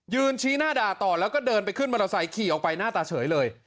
ชี้หน้าด่าต่อแล้วก็เดินไปขึ้นมอเตอร์ไซค์ขี่ออกไปหน้าตาเฉยเลย